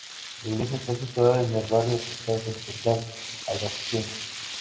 La iglesia está situada en el barrio Hospital de la capital albaceteña.